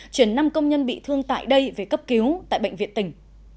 chuyển năm công nhân bị thương tại đây về cấp cứu tại bệnh viện tỉnh